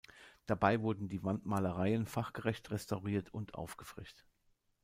Dabei wurden die Wandmalereien fachgerecht restauriert und aufgefrischt.